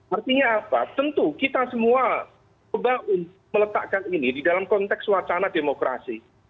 artinya apa tentu kita semua coba meletakkan ini di dalam konteks wacana demokrasi